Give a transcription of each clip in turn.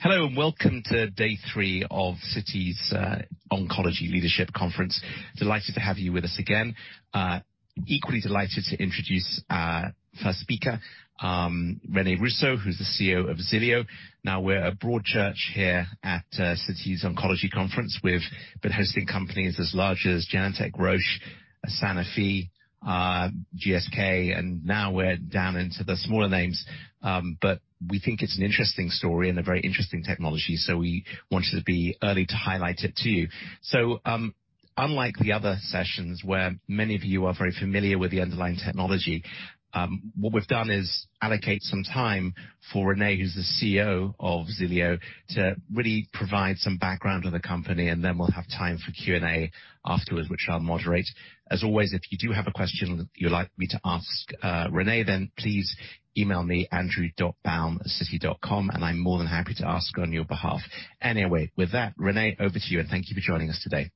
Hello and welcome to day three of Citi's Oncology Leadership Conference. Delighted to have you with us again. Equally delighted to introduce our first speaker, René Russo, who's the CEO of Xilio. We're a broad church here at Citi's Oncology Conference. We've been hosting companies as large as Genentech, Roche, Sanofi, GSK, now we're down into the smaller names. We think it's an interesting story and a very interesting technology, we wanted to be early to highlight it to you. Unlike the other sessions where many of you are very familiar with the underlying technology, what we've done is allocate some time for René, who's the CEO of Xilio, to really provide some background on the company, then we'll have time for Q&A afterwards, which I'll moderate. As always, if you do have a question you'd like me to ask, René, then please email me Andrew.Baum@Citi.com, and I'm more than happy to ask on your behalf. With that, René, over to you, and thank you for joining us today.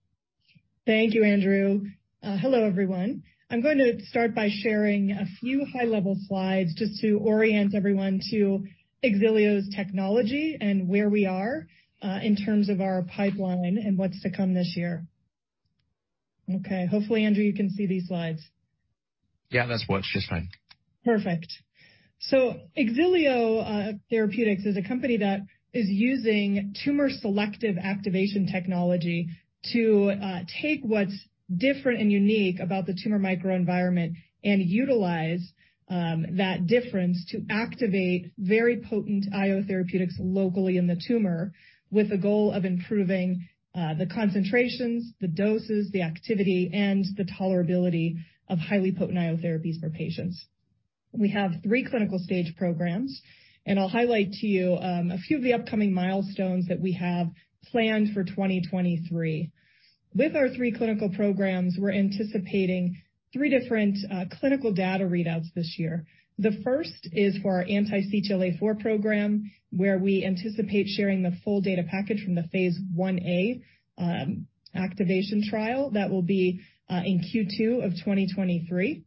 Thank you, Andrew. Hello, everyone. I'm going to start by sharing a few high-level slides just to orient everyone to Xilio's technology and where we are in terms of our pipeline and what's to come this year. Okay. Hopefully, Andrew, you can see these slides. Yeah, that's worked just fine. Perfect. Xilio Therapeutics is a company that is using tumor selective activation technology to take what's different and unique about the tumor microenvironment and utilize that difference to activate very potent IO therapeutics locally in the tumor with the goal of improving the concentrations, the doses, the activity, and the tolerability of highly potent IO therapies for patients. We have 3 clinical stage programs, and I'll highlight to you a few of the upcoming milestones that we have planned for 2023. With our 3 clinical programs, we're anticipating 3 different clinical data readouts this year. The first is for our anti-CTLA-4 program, where we anticipate sharing the full data package from the phase 1a activation trial. That will be in Q2 of 2023.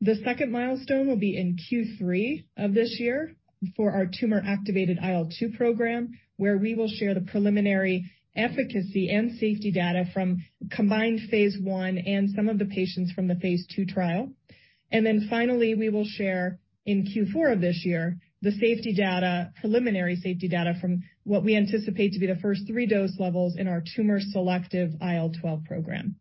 The second milestone will be in Q3 of this year for our tumor-activated IL-2 program, where we will share the preliminary efficacy and safety data from combined phase 1 and some of the patients from the phase 2 trial. Finally, we will share in Q4 of this year the safety data, preliminary safety data from what we anticipate to be the first three dose levels in our tumor selective IL-12 program.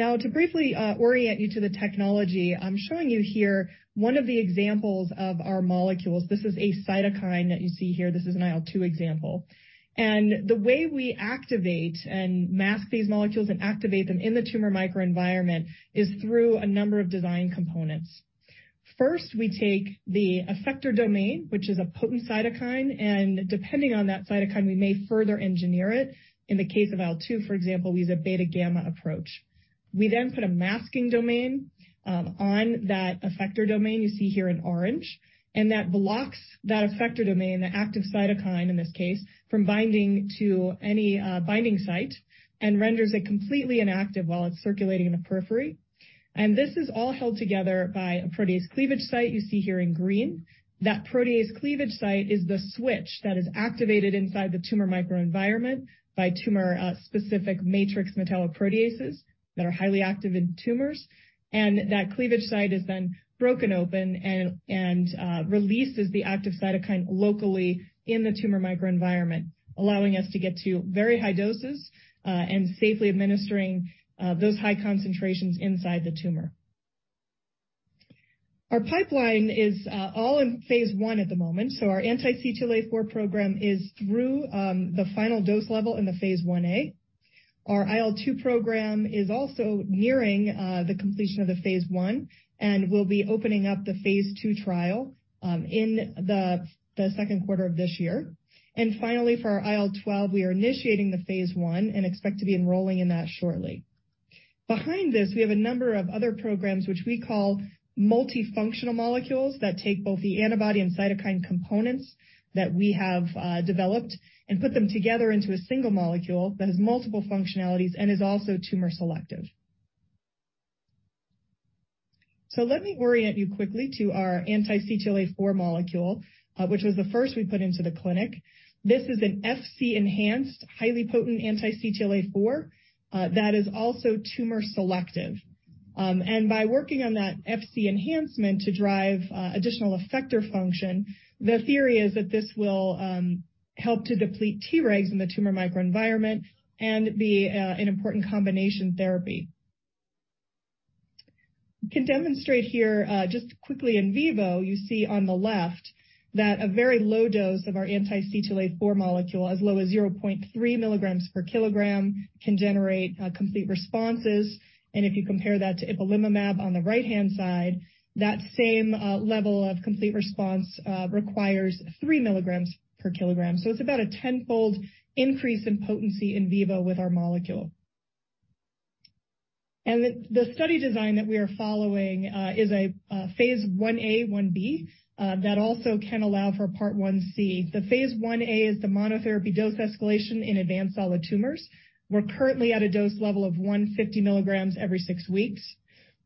To briefly orient you to the technology, I'm showing you here one of the examples of our molecules. This is a cytokine that you see here. This is an IL-2 example. The way we activate and mask these molecules and activate them in the tumor microenvironment is through a number of design components. First, we take the effector domain, which is a potent cytokine, and depending on that cytokine, we may further engineer it. In the case of IL-2, for example, we use a beta/gamma approach. We then put a masking domain on that effector domain you see here in orange, that blocks that effector domain, the active cytokine in this case, from binding to any binding site and renders it completely inactive while it's circulating in the periphery. This is all held together by a protease cleavage site you see here in green. That protease cleavage site is the switch that is activated inside the tumor microenvironment by tumor specific matrix metalloproteases that are highly active in tumors. That cleavage site is then broken open and releases the active cytokine locally in the tumor microenvironment, allowing us to get to very high doses and safely administering those high concentrations inside the tumor. Our pipeline is all in Phase 1 at the moment, so our anti-CTLA-4 program is through the final dose level in the Phase 1a. Our IL-2 program is also nearing the completion of the Phase 1, and we'll be opening up the Phase 2 trial in the Q2 of this year. Finally, for our IL-12, we are initiating the Phase 1 and expect to be enrolling in that shortly. Behind this, we have a number of other programs which we call multifunctional molecules that take both the antibody and cytokine components that we have developed and put them together into a single molecule that has multiple functionalities and is also tumor selective. Let me orient you quickly to our anti-CTLA-4 molecule, which was the first we put into the clinic. This is an Fc-enhanced, highly potent anti-CTLA-4 that is also tumor selective. By working on that Fc-enhancement to drive additional effector function, the theory is that this will help to deplete Tregs in the tumor microenvironment and be an important combination therapy. We can demonstrate here just quickly in vivo, you see on the left that a very low dose of our anti-CTLA-4 molecule, as low as 0.3 milligrams per kilogram, can generate complete responses. If you compare that to ipilimumab on the right-hand side, that same level of complete response requires 3 milligrams per kilogram. It's about a 10-fold increase in potency in vivo with our molecule. The study design that we are following is a Phase 1a/1b that also can allow for Part 1c. The Phase 1a is the monotherapy dose escalation in advanced solid tumors. We're currently at a dose level of 150 milligrams every six weeks,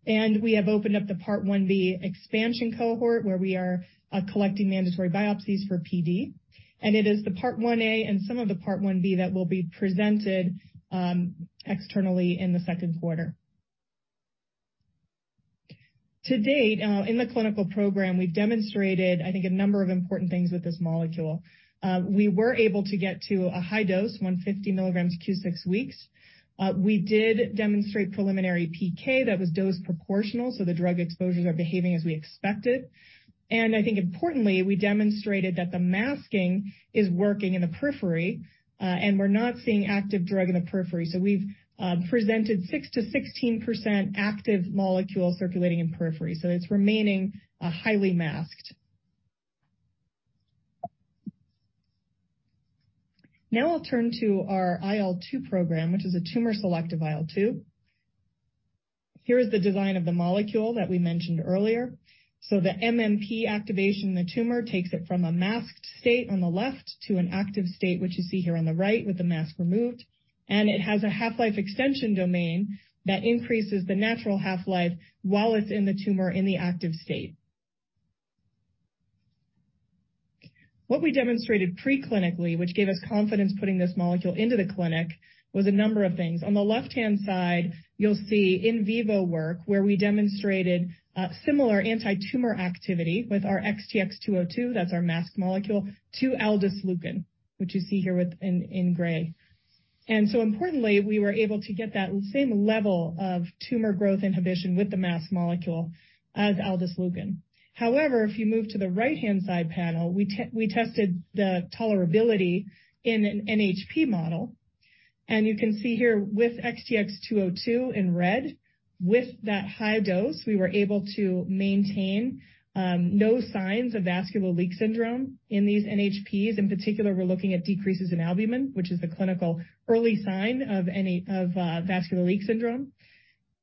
and we have opened up the Part 1b expansion cohort where we are collecting mandatory biopsies for PD. It is the Part 1a and some of the Part 1b that will be presented externally in the H2. To date, in the clinical program, we've demonstrated, I think, a number of important things with this molecule. We were able to get to a high dose, 150 milligrams Q6W. We did demonstrate preliminary PK that was dose proportional, so the drug exposures are behaving as we expected. I think importantly, we demonstrated that the masking is working in the periphery, and we're not seeing active drug in the periphery. We've presented 6-16% active molecule circulating in periphery, it's remaining highly masked. Now I'll turn to our IL-2 program, which is a tumor-selective IL-2. Here is the design of the molecule that we mentioned earlier. The MMP activation in the tumor takes it from a masked state on the left to an active state, which you see here on the right with the mask removed. It has a half-life extension domain that increases the natural half-life while it's in the tumor in the active state. What we demonstrated pre-clinically, which gave us confidence putting this molecule into the clinic, was a number of things. On the left-hand side, you'll see in vivo work where we demonstrated similar antitumor activity with our XTX202, that's our masked molecule, to Aldesleukin, which you see here with, in gray. Importantly, we were able to get that same level of tumor growth inhibition with the masked molecule as Aldesleukin. However, if you move to the right-hand side panel, we tested the tolerability in an NHP model, and you can see here with XTX202 in red. With that high dose, we were able to maintain no signs of vascular leak syndrome in these NHPs. In particular, we're looking at decreases in albumin, which is the clinical early sign of any vascular leak syndrome.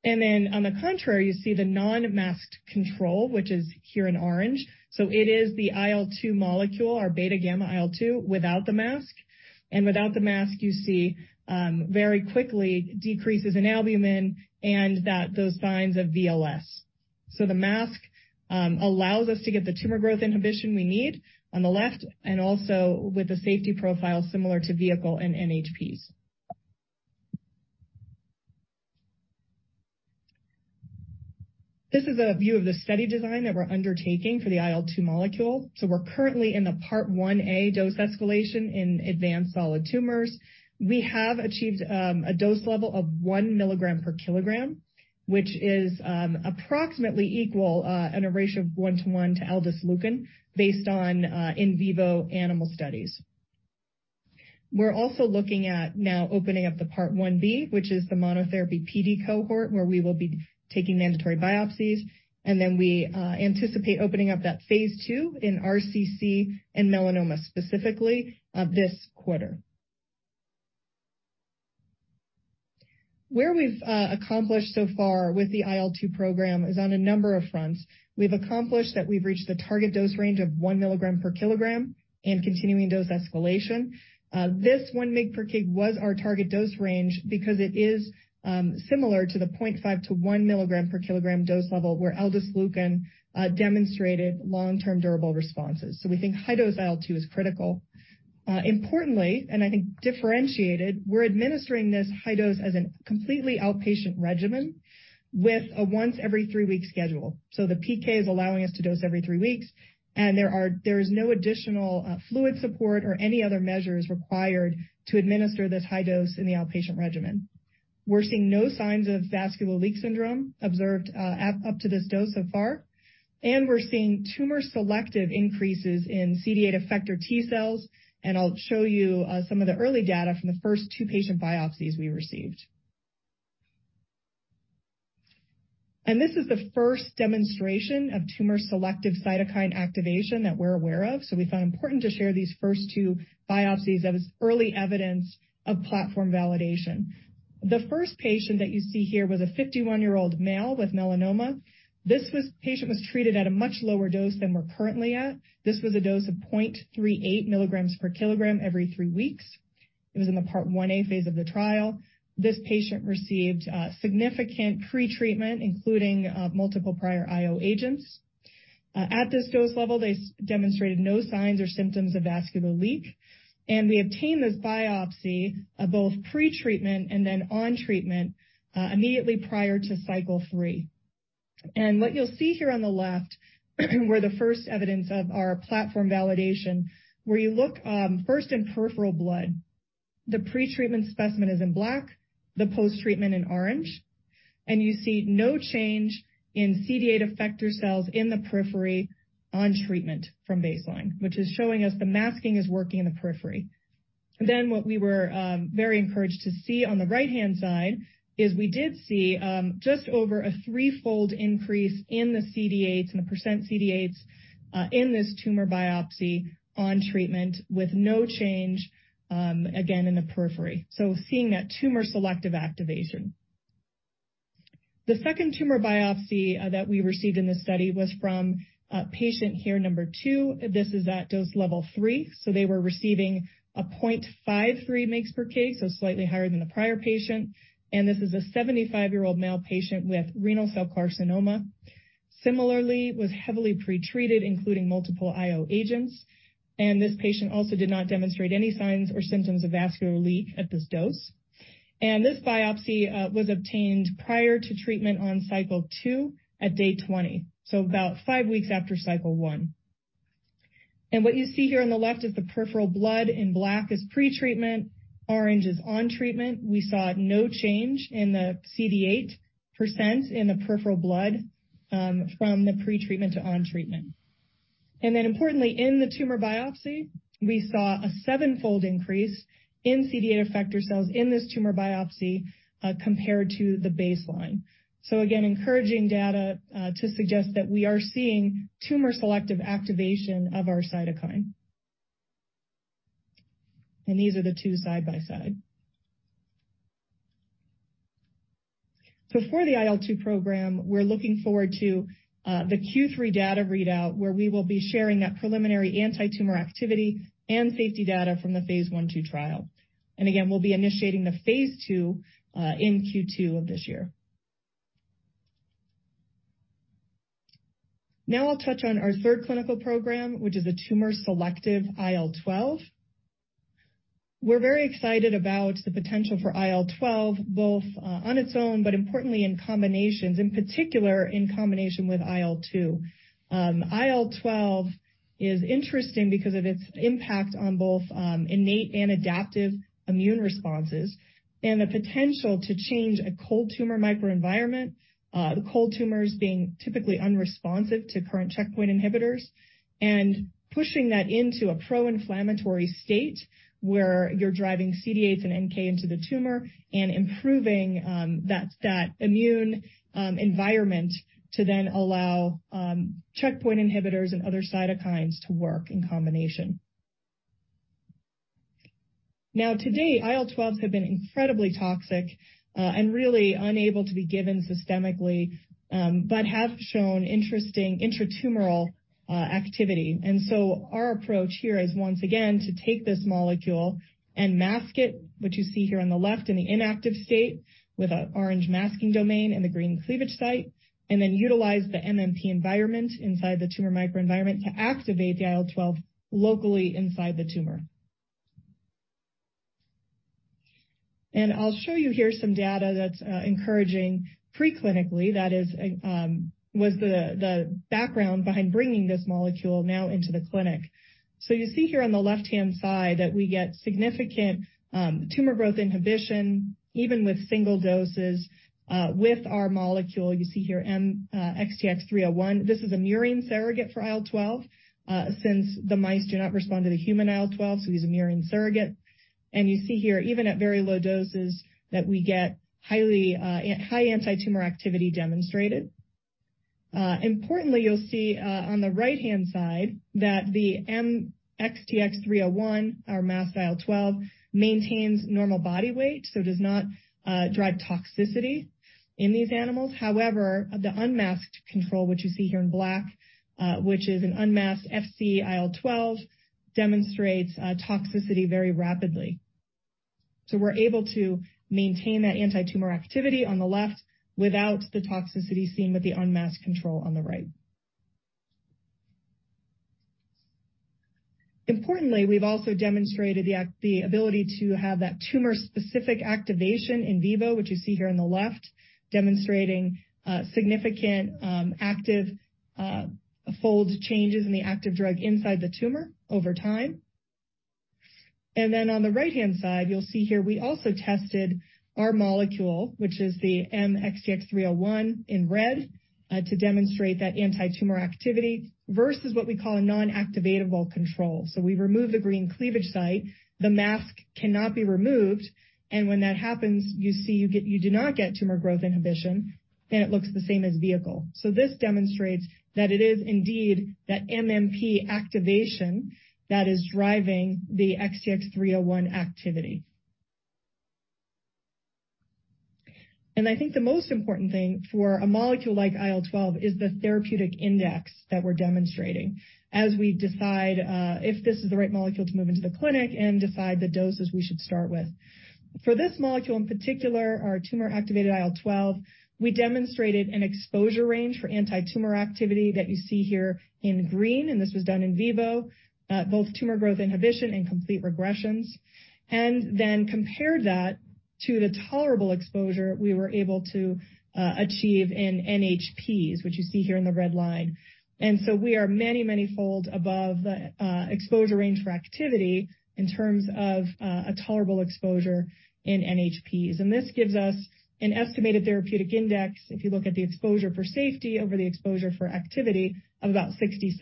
On the contrary, you see the non-masked control, which is here in orange. It is the IL-2 molecule, our beta/gamma IL-2, without the mask. Without the mask, you see very quickly decreases in albumin and that those signs of VLS. The mask allows us to get the tumor growth inhibition we need on the left and also with a safety profile similar to vehicle and NHPs. This is a view of the study design that we're undertaking for the IL-2 molecule. We're currently in the phase 1a dose escalation in advanced solid tumors. We have achieved a dose level of one milligram per kilogram, which is approximately equal in a ratio of 1 to 1 to Aldesleukin based on in vivo animal studies. We're also looking at now opening up the phase 1b, which is the monotherapy PD cohort, where we will be taking mandatory biopsies, and then we anticipate opening up that phase 2 in RCC and melanoma, specifically, this quarter. Where we've accomplished so far with the IL-2 program is on a number of fronts. We've accomplished that we've reached the target dose range of 1 milligram per kilogram and continuing dose escalation. This 1 mg/kg was our target dose range because it is similar to the 0.5-1 milligram per kilogram dose level where Aldesleukin demonstrated long-term durable responses. We think high-dose IL-2 is critical. Importantly, and I think differentiated, we're administering this high dose as a completely outpatient regimen with a once every 3-week schedule. The PK is allowing us to dose every 3 weeks, and there is no additional fluid support or any other measures required to administer this high dose in the outpatient regimen. We're seeing no signs of vascular leak syndrome observed, at, up to this dose so far, and we're seeing tumor-selective increases in CD8 effector T-cells, and I'll show you some of the early data from the first 2 patient biopsies we received. This is the first demonstration of tumor-selective cytokine activation that we're aware of, so we found it important to share these first 2 biopsies as early evidence of platform validation. The first patient that you see here was a 51-year-old male with melanoma. Patient was treated at a much lower dose than we're currently at. This was a dose of 0.38 milligrams per kilogram every 3 weeks. It was in the Phase 1a of the trial. This patient received significant pretreatment, including multiple prior IO agents. At this dose level, they demonstrated no signs or symptoms of vascular leak, and we obtained this biopsy of both pretreatment and then on treatment, immediately prior to cycle 3. What you'll see here on the left were the first evidence of our platform validation, where you look, first in peripheral blood. The pretreatment specimen is in black, the post-treatment in orange, and you see no change in CD8 effector cells in the periphery on treatment from baseline, which is showing us the masking is working in the periphery. What we were very encouraged to see on the right-hand side is we did see just over a 3-fold increase in the CD8s and the % CD8s in this tumor biopsy on treatment with no change again in the periphery, so seeing that tumor-selective activation. The second tumor biopsy that we received in this study was from a patient here, number 2. This is at dose level 3. They were receiving a 0.53 megs per K, so slightly higher than the prior patient. This is a 75-year-old male patient with renal cell carcinoma. Similarly, was heavily pretreated, including multiple IO agents. This patient also did not demonstrate any signs or symptoms of vascular leak at this dose. This biopsy was obtained prior to treatment on cycle 2 at day 20, so about 5 weeks after cycle 1. What you see here on the left is the peripheral blood in black is pretreatment, orange is on treatment. We saw no change in the CD8% in the peripheral blood from the pretreatment to on treatment. Importantly, in the tumor biopsy, we saw a 7-fold increase in CD8 effector cells in this tumor biopsy compared to the baseline. Again, encouraging data to suggest that we are seeing tumor selective activation of our cytokine. These are the two side by side. For the IL-2 program, we're looking forward to the Q3 data readout, where we will be sharing that preliminary antitumor activity and safety data from the phase 1.2 trial. Again, we'll be initiating the phase 2 in Q2 of this year. I'll touch on our third clinical program, which is a tumor-selective IL-12. We're very excited about the potential for IL-12, both on its own, but importantly in combinations, in particular in combination with IL-2. IL-12 is interesting because of its impact on both innate and adaptive immune responses and the potential to change a cold tumor microenvironment. The cold tumors being typically unresponsive to current checkpoint inhibitors and pushing that into a pro-inflammatory state where you're driving CD8s and NK into the tumor and improving that immune environment to then allow checkpoint inhibitors and other cytokines to work in combination. Today, IL-12s have been incredibly toxic and really unable to be given systemically, but have shown interesting intratumoral activity. Our approach here is once again to take this molecule and mask it, which you see here on the left in the inactive state with an orange masking domain and the green cleavage site, and then utilize the MMP environment inside the tumor microenvironment to activate the IL-12 locally inside the tumor. I'll show you here some data that's encouraging preclinically. That is, was the background behind bringing this molecule now into the clinic. You see here on the left-hand side that we get significant tumor growth inhibition, even with single doses with our molecule. You see here XTX301. This is a murine surrogate for IL-12, since the mice do not respond to the human IL-12, so we use a murine surrogate. you see here, even at very low doses, that we get highly, high antitumor activity demonstrated. Importantly, you'll see on the right-hand side that the mXTX301, our masked IL-12, maintains normal body weight, so does not drive toxicity in these animals. However, the unmasked control, which you see here in black, which is an unmasked Fc IL-12, demonstrates toxicity very rapidly. we're able to maintain that antitumor activity on the left without the toxicity seen with the unmasked control on the right. Importantly, we've also demonstrated the ability to have that tumor-specific activation in vivo, which you see here on the left, demonstrating significant active fold changes in the active drug inside the tumor over time. On the right-hand side, you'll see here we also tested our molecule, which is the mXTX301 in red, to demonstrate that antitumor activity versus what we call a non-activatable control. We remove the green cleavage site. The mask cannot be removed. When that happens, you see you do not get tumor growth inhibition, and it looks the same as vehicle. This demonstrates that it is indeed that MMP activation that is driving the XTX301 activity. I think the most important thing for a molecule like IL-12 is the therapeutic index that we're demonstrating as we decide if this is the right molecule to move into the clinic and decide the doses we should start with. For this molecule in particular, our tumor-activated IL-12, we demonstrated an exposure range for antitumor activity that you see here in green, and this was done in vivo, both tumor growth inhibition and complete regressions. Then compared that to the tolerable exposure we were able to achieve in NHPs, which you see here in the red line. So we are many, many fold above the exposure range for activity in terms of a tolerable exposure in NHPs. This gives us an estimated therapeutic index if you look at the exposure for safety over the exposure for activity of about 66.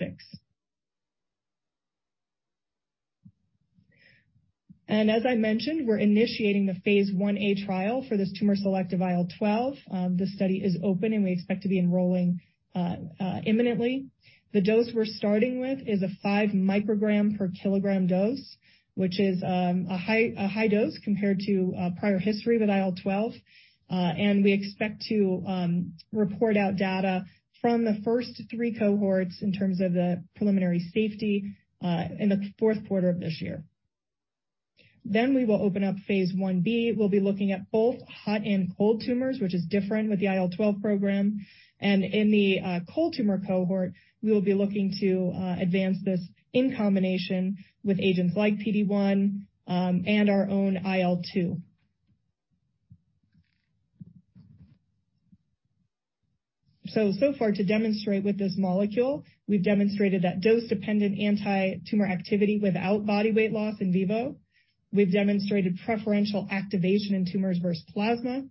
As I mentioned, we're initiating the Phase 1a trial for this tumor-selective IL-12. The study is open, and we expect to be enrolling imminently. The dose we're starting with is a 5 microgram per kilogram dose, which is a high dose compared to prior history with IL-12. We expect to report out data from the first three cohorts in terms of the preliminary safety in the fourth quarter of this year. We will open up phase 1b. We'll be looking at both hot and cold tumors, which is different with the IL-12 program. In the cold tumor cohort, we will be looking to advance this in combination with agents like PD-1 and our own IL-2. So far, to demonstrate with this molecule, we've demonstrated that dose-dependent anti-tumor activity without body weight loss in vivo. We've demonstrated preferential activation in tumors versus plasma.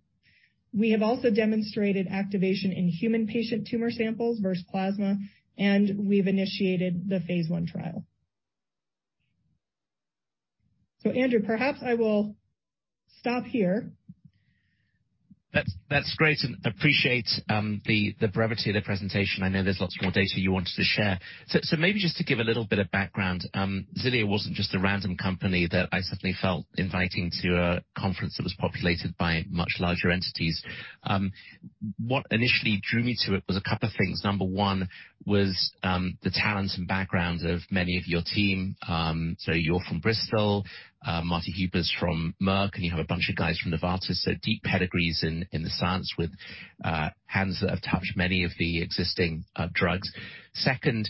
We have also demonstrated activation in human patient tumor samples versus plasma, and we've initiated the phase 1 trial. Andrew, perhaps I will stop here. That's, that's great, and appreciate the brevity of the presentation. I know there's lots more data you wanted to share. So maybe just to give a little bit of background, Xilio wasn't just a random company that I suddenly felt inviting to a conference that was populated by much larger entities. What initially drew me to it was a couple of things. Number 1 was the talents and backgrounds of many of your team. So you're from Bristol, Marty Huber's from Merck, and you have a bunch of guys from Novartis. Deep pedigrees in the science with hands that have touched many of the existing drugs. Second,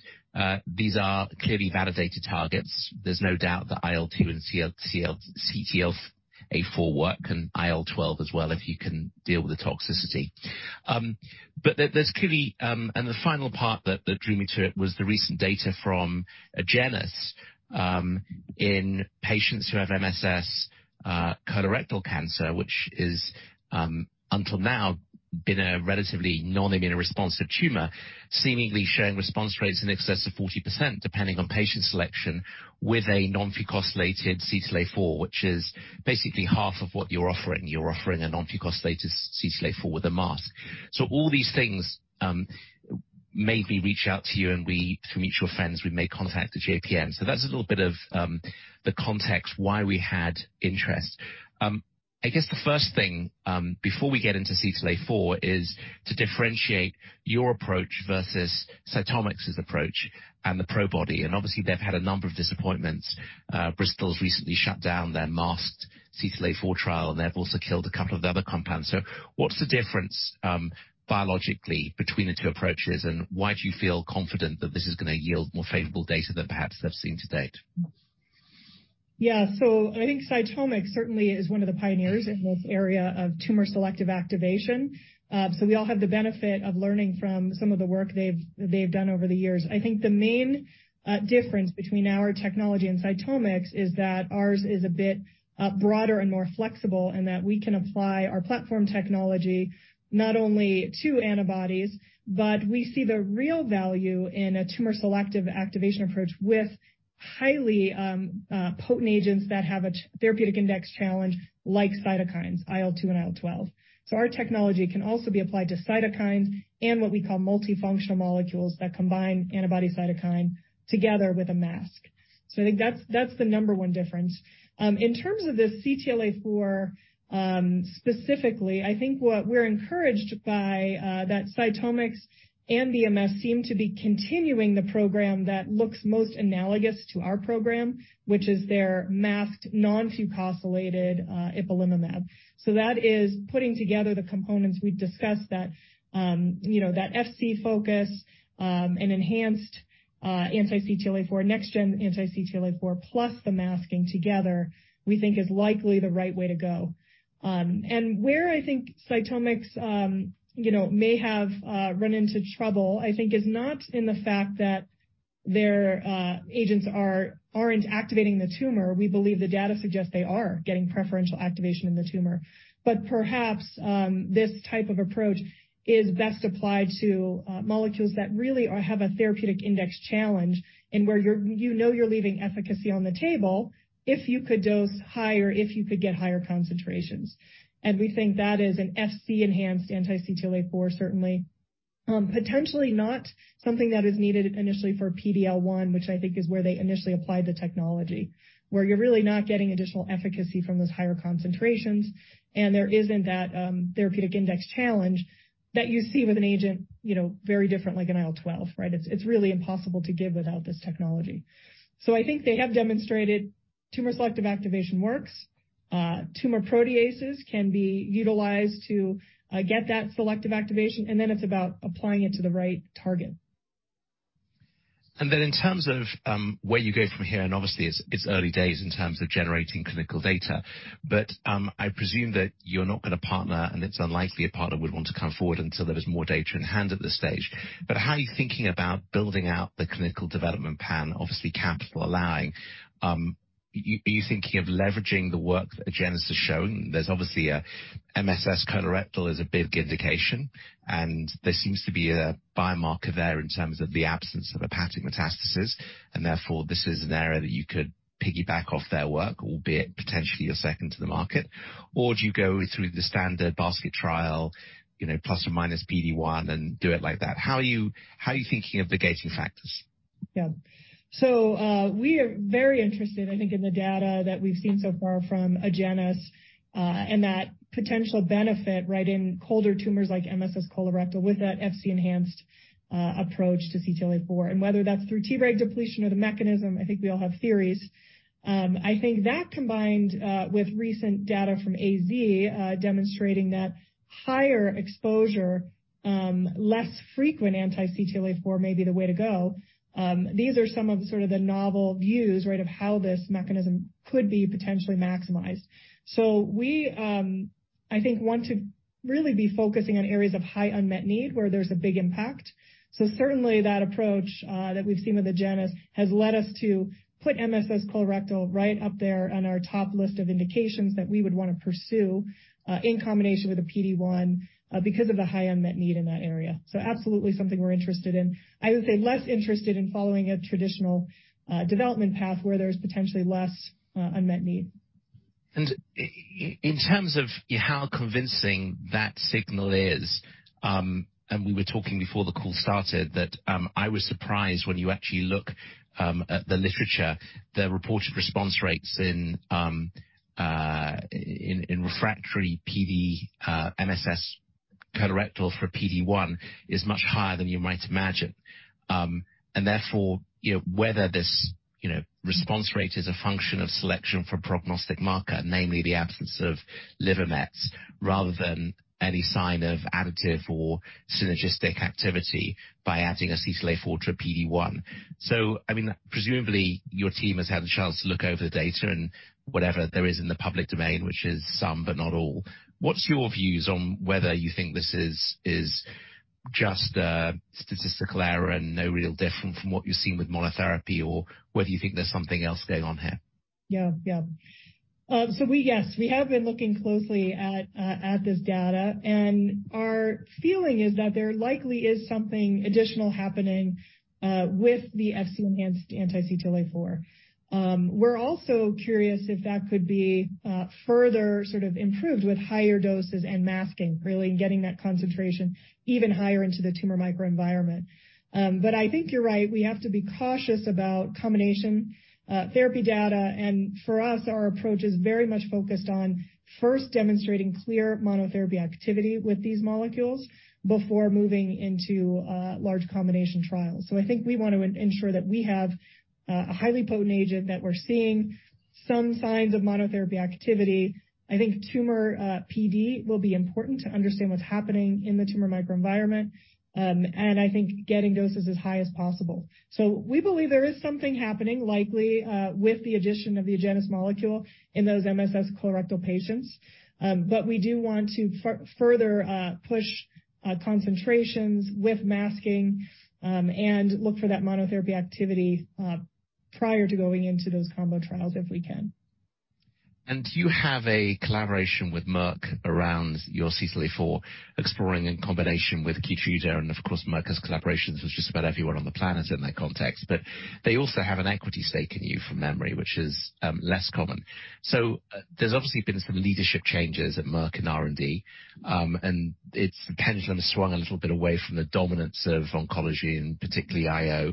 these are clearly validated targets. There's no doubt that IL-2 and CTLA-4 work and IL-12 as well, if you can deal with the toxicity. There, there's clearly, and the final part that drew me to it was the recent data from Agenus, in patients who have MSS, colorectal cancer, which is, until now, been a relatively non-immunoresponsive tumor, seemingly showing response rates in excess of 40%, depending on patient selection with a non-fucosylated CTLA-4, which is basically half of what you're offering. You're offering a non-fucosylated CTLA-4 with a mask. All these things made me reach out to you and we, through mutual friends, we made contact at JPM. That's a little bit of the context why we had interest. I guess the first thing, before we get into CTLA-4 is to differentiate your approach versus CytomX's approach and the Probody. Obviously, they've had a number of disappointments. Bristol's recently shut down their masked CTLA-4 trial. They've also killed a couple of the other compounds. What's the difference, biologically between the two approaches? Why do you feel confident that this is gonna yield more favorable data than perhaps they've seen to date? Yeah. I think CytomX certainly is one of the pioneers in this area of tumor-selective activation. We all have the benefit of learning from some of the work they've done over the years. I think the main difference between our technology and CytomX is that ours is a bit broader and more flexible, and that we can apply our platform technology not only to antibodies, but we see the real value in a tumor-selective activation approach with highly potent agents that have a therapeutic index challenge like cytokines, IL-2 and IL-12. Our technology can also be applied to cytokines and what we call multifunctional molecules that combine antibody cytokine together with a mask. I think that's the number one difference. In terms of the CTLA-4, specifically, I think what we're encouraged by, that CytomX and BMS seem to be continuing the program that looks most analogous to our program, which is their masked non-fucosylated ipilimumab. That is putting together the components we've discussed that, you know, that Fc-enhanced, and enhanced anti-CTLA-4, next-gen anti-CTLA-4, plus the masking together, we think is likely the right way to go. Where I think CytomX, you know, may have run into trouble, I think is not in the fact that their agents aren't activating the tumor. We believe the data suggests they are getting preferential activation in the tumor. Perhaps this type of approach is best applied to molecules that really have a therapeutic index challenge and where you know you're leaving efficacy on the table if you could dose higher, if you could get higher concentrations. We think that is an Fc-enhanced anti-CTLA-4, certainly. Potentially not something that is needed initially for PD-L1, which I think is where they initially applied the technology, where you're really not getting additional efficacy from those higher concentrations, and there isn't that therapeutic index challenge that you see with an agent, you know, very different, like an IL-12, right? It's really impossible to give without this technology. I think they have demonstrated tumor-selective activation works. Tumor proteases can be utilized to get that selective activation, and then it's about applying it to the right target. In terms of where you go from here, and obviously it's early days in terms of generating clinical data, but I presume that you're not gonna partner, and it's unlikely a partner would want to come forward until there is more data in hand at this stage. How are you thinking about building out the clinical development plan, obviously capital allowing? Are you thinking of leveraging the work that Agenus has shown? There's obviously a MSS colorectal is a big indication, and there seems to be a biomarker there in terms of the absence of hepatic metastasis. Therefore, this is an area that you could piggyback off their work, albeit potentially a second to the market. Do you go through the standard basket trial, you know, plus or minus PD-1, and do it like that? How are you thinking of the gating factors? Yeah. We are very interested, I think, in the data that we've seen so far from Agenus, and that potential benefit, right, in colder tumors like MSS colorectal with that Fc-enhanced approach to CTLA-4. Whether that's through T-reg depletion or the mechanism, I think we all have theories. I think that combined with recent data from AZ, demonstrating that higher exposure, less frequent anti-CTLA-4 may be the way to go. These are some of sort of the novel views, right, of how this mechanism could be potentially maximized. We, I think want to really be focusing on areas of high unmet need where there's a big impact. Certainly that approach that we've seen with Agenus has led us to put MSS colorectal right up there on our top list of indications that we would wanna pursue in combination with a PD-1 because of the high unmet need in that area. Absolutely something we're interested in. I would say less interested in following a traditional development path where there's potentially less unmet need. In terms of how convincing that signal is, and we were talking before the call started that I was surprised when you actually look at the literature, the reported response rates in refractory MSS colorectal for PD-1 is much higher than you might imagine. Therefore, you know, whether this, you know, response rate is a function of selection for prognostic marker, namely the absence of liver mets, rather than any sign of additive or synergistic activity by adding a CTLA-4 to a PD-1. I mean, presumably your team has had the chance to look over the data and whatever there is in the public domain, which is some, but not all. What's your views on whether you think this is just a statistical error and no real different from what you've seen with monotherapy? Whether you think there's something else going on here? Yeah. Yeah. Yes, we have been looking closely at this data, and our feeling is that there likely is something additional happening with the Fc-enhanced anti-CTLA-4. We're also curious if that could be further sort of improved with higher doses and masking, really getting that concentration even higher into the tumor microenvironment. I think you're right. We have to be cautious about combination therapy data. For us, our approach is very much focused on first demonstrating clear monotherapy activity with these molecules before moving into large combination trials. I think we want to ensure that we have a highly potent agent, that we're seeing some signs of monotherapy activity. I think tumor PD will be important to understand what's happening in the tumor microenvironment, and I think getting doses as high as possible. We believe there is something happening, likely, with the addition of the Agenus molecule in those MSS colorectal patients. We do want to further push concentrations with masking, and look for that monotherapy activity prior to going into those combo trials if we can. You have a collaboration with Merck around your CTLA-4, exploring in combination with Keytruda, and of course, Merck has collaborations with just about everyone on the planet in that context. They also have an equity stake in you from memory, which is less common. There's obviously been some leadership changes at Merck in R&D, and its pendulum has swung a little bit away from the dominance of oncology and particularly IO.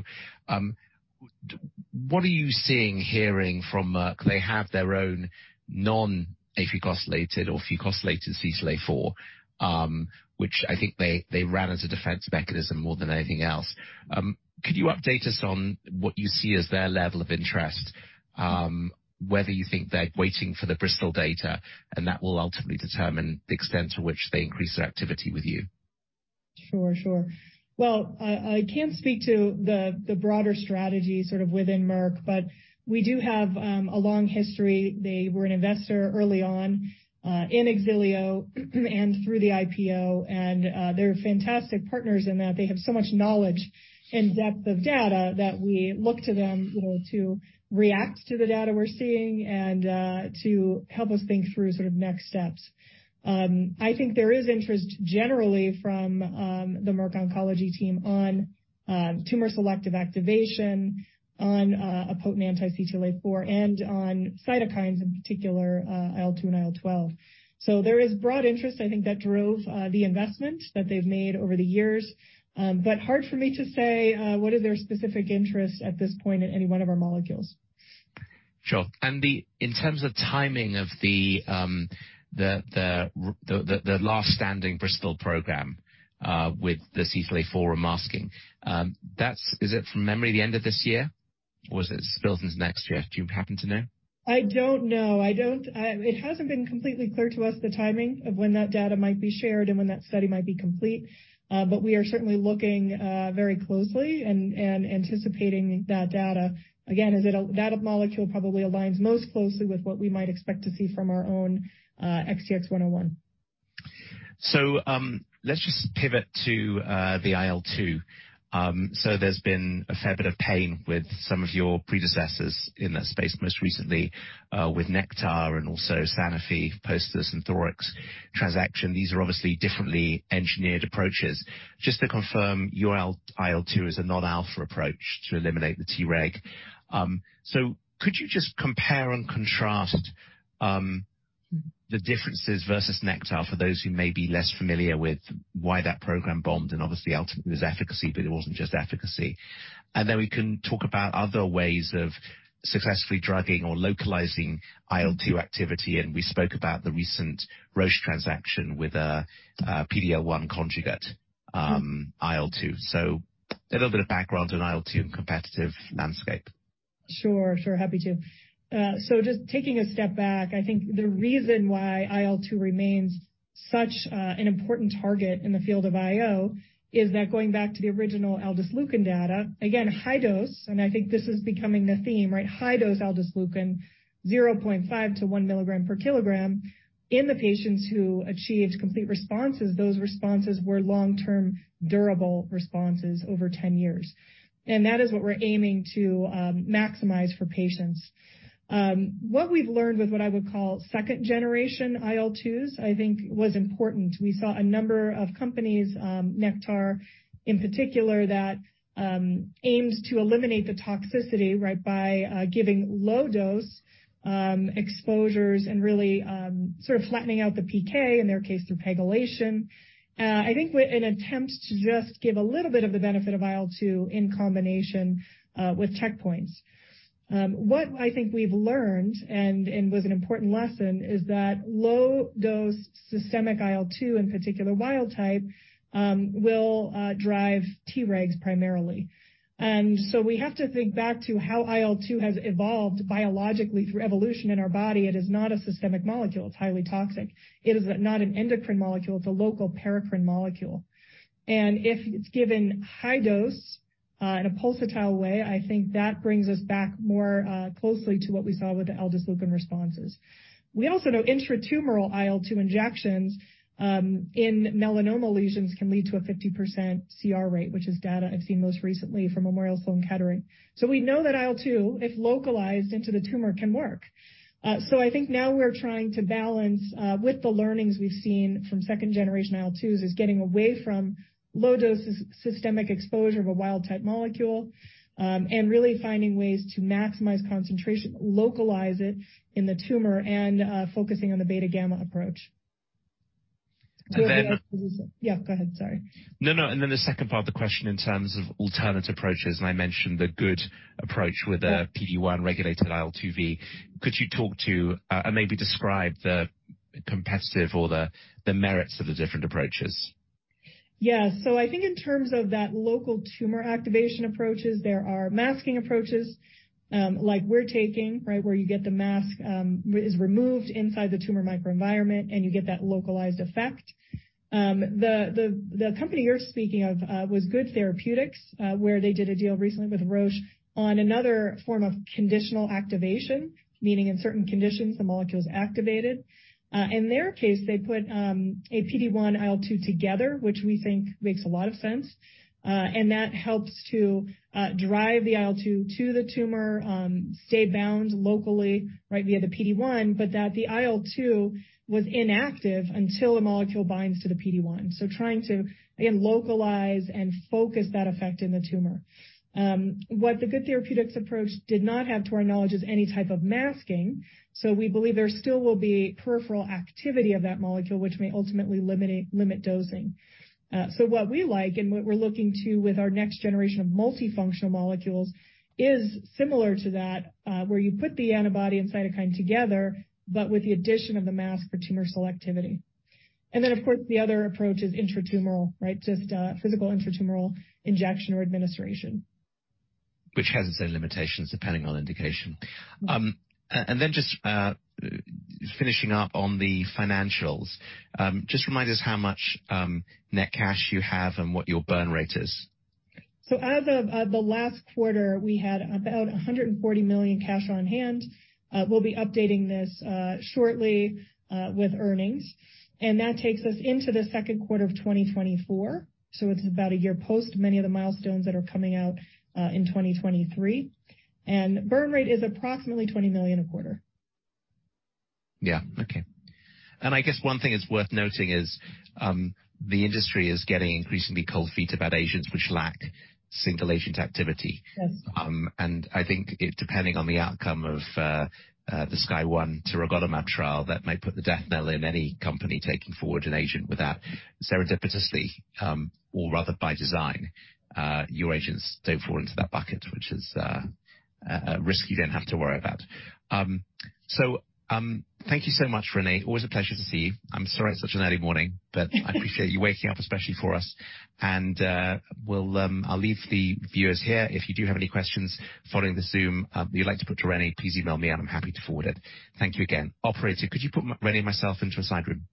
What are you seeing, hearing from Merck? They have their own non-fucosylated or fucosylated CTLA-4, which I think they ran as a defense mechanism more than anything else. Could you update us on what you see as their level of interest, whether you think they're waiting for the Bristol data and that will ultimately determine the extent to which they increase their activity with you? Sure, sure. Well, I can't speak to the broader strategy sort of within Merck, but we do have a long history. They were an investor early on in Xilio and through the IPO. They're fantastic partners in that they have so much knowledge and depth of data that we look to them, you know, to react to the data we're seeing and to help us think through sort of next steps. I think there is interest generally from the Merck oncology team on tumor selective activation, on a potent anti-CTLA-4 and on cytokines, in particular, IL-2 and IL-12. There is broad interest, I think that drove the investment that they've made over the years. Hard for me to say what is their specific interest at this point in any one of our molecules. Sure. In terms of timing of the last standing Bristol program, with the CTLA-4 masking. Is it from memory the end of this year or is it spilled into next year? Do you happen to know? I don't know. I don't It hasn't been completely clear to us the timing of when that data might be shared and when that study might be complete. We are certainly looking very closely and anticipating that data. Again, as that molecule probably aligns most closely with what we might expect to see from our own XTX101. Let's just pivot to the IL-2. There's been a fair bit of pain with some of your predecessors in that space, most recently with Nektar Therapeutics and also Sanofi post the Synthorx transaction. These are obviously differently engineered approaches. Just to confirm, your IL-2 is a non-alpha approach to eliminate the Tregs. Could you just compare and contrast the differences versus Nektar Therapeutics for those who may be less familiar with why that program bombed and obviously it was efficacy, but it wasn't just efficacy. We can talk about other ways of successfully drugging or localizing IL-2 activity. We spoke about the recent Roche transaction with a PD-L1 conjugate IL-2. A little bit of background on IL-2 competitive landscape. Sure, sure. Happy to. Just taking a step back, I think the reason why IL-2 remains such an important target in the field of IO is that going back to the original Aldesleukin data, again, high dose, and I think this is becoming a theme, right? High dose Aldesleukin, 0.5 to 1 milligram per kilogram. In the patients who achieved complete responses, those responses were long-term durable responses over 10 years. That is what we're aiming to maximize for patients. What we've learned with what I would call second generation IL-2s, I think was important. We saw a number of companies, Nektar in particular, that aims to eliminate the toxicity, right, by giving low dose exposures and really sort of flattening out the PK, in their case through pegylation. I think with an attempt to just give a little bit of the benefit of IL-2 in combination with checkpoints. What I think we've learned, and was an important lesson is that low dose systemic IL-2, in particular wild type, will drive Tregs primarily. We have to think back to how IL-2 has evolved biologically through evolution in our body. It is not a systemic molecule. It's highly toxic. It is not an endocrine molecule. It's a local paracrine molecule. If it's given high dose in a pulsatile way, I think that brings us back more closely to what we saw with the Aldesleukin responses. We also know intratumoral IL-2 injections in melanoma lesions can lead to a 50% CR rate, which is data I've seen most recently from Memorial Sloan Kettering. We know that IL-2, if localized into the tumor, can work. I think now we're trying to balance with the learnings we've seen from second generation IL-2s, is getting away from low dose systemic exposure of a wild type molecule, and really finding ways to maximize concentration, localize it in the tumor, and focusing on the beta/gamma approach. And then- Yeah, go ahead. Sorry. No, no. The second part of the question in terms of alternate approaches, and I mentioned the good approach with a PD-1 regulated IL-2. Could you talk to, and maybe describe the competitive or the merits of the different approaches? Yeah. I think in terms of that local tumor activation approaches, there are masking approaches, like we're taking, right? Where you get the mask is removed inside the tumor microenvironment, and you get that localized effect. The company you're speaking of was Good Therapeutics, where they did a deal recently with Roche on another form of conditional activation. Meaning in certain conditions, the molecule is activated. In their case, they put a PD-1 IL-2 together, which we think makes a lot of sense. That helps to drive the IL-2 to the tumor, stay bound locally, right, via the PD-1, but that the IL-2 was inactive until a molecule binds to the PD-1. Trying to, again, localize and focus that effect in the tumor. What the Good Therapeutics approach did not have, to our knowledge, is any type of masking. We believe there still will be peripheral activity of that molecule, which may ultimately limit dosing. What we like and what we're looking to with our next generation of multifunctional molecules is similar to that, where you put the antibody and cytokine together, but with the addition of the mask for tumor selectivity. Of course, the other approach is intratumoral, right? Just physical intratumoral injection or administration. Which has its own limitations depending on indication. Just finishing up on the financials. Just remind us how much net cash you have and what your burn rate is. As of the last quarter, we had about $140 million cash on hand. We'll be updating this shortly with earnings, and that takes us into the H2 of 2024. It's about a year post many of the milestones that are coming out in 2023. Burn rate is approximately $20 million a quarter. Yeah. Okay. I guess one thing that's worth noting is, the industry is getting increasingly cold feet about agents which lack single agent activity. Yes. I think depending on the outcome of the SKYSCRAPER trial, that may put the death knell in any company taking forward an agent. Without serendipitously, or rather by design, your agents don't fall into that bucket, which is a risk you don't have to worry about. Thank you so much, René. Always a pleasure to see you. I'm sorry it's such an early morning. I appreciate you waking up especially for us. We'll, I'll leave the viewers here. If you do have any questions following the Zoom, you'd like to put to René, please email me and I'm happy to forward it. Thank you again. Operator, could you put René and myself into a side room?